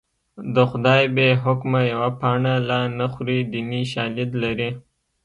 د خدای بې حکمه یوه پاڼه لا نه خوري دیني شالید لري